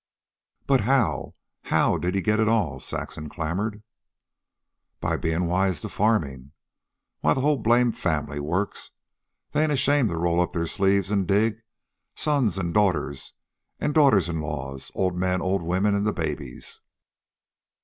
"But how? how? how did he get it all?" Saxon clamored. "By bein' wise to farmin'. Why, the whole blame family works. They ain't ashamed to roll up their sleeves an' dig sons an' daughters an' daughter in laws, old man, old woman, an' the babies.